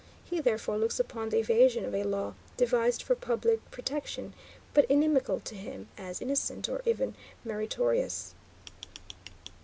He, therefore, looks upon the evasion of a law devised for public protection, but inimical to him, as innocent or even meritorious.